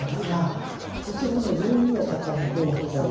こちらの「十二の鷹」の方はですね